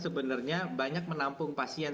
sebenarnya banyak menampung pasien